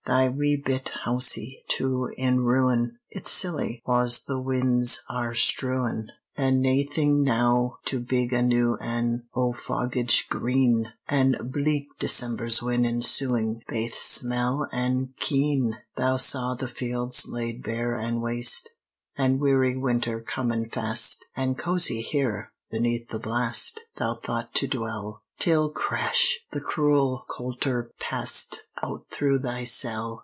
Thy wee bit housie, too, in ruin! I 1 s silly wa's the win's are strewin* ! RAINBOW GOLD An' naething, now, to big a new ane, O' foggage green! An' bleak December's wind ensuin', Baith snell an' keen! Thou saw the fields laid bare an' waste, An' weary winter comin' fast, An' cozie here, beneath the blast, Thou thought to dwell, Till, crash! the cruel coulter passed Out through thy cell.